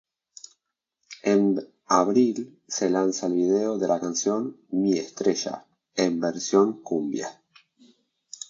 En abril se lanza el video de la canción "Mi estrella" en versión cumbia.